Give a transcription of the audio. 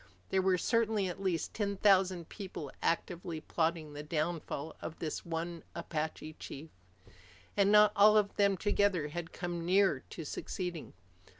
There were certainly at least ten thousand people actively plotting the downfall of this one Apache chief. And not all of them together had come near to succeeding.